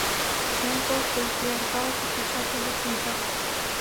Шем пыл пелке эртале, Кечат угыч ончале.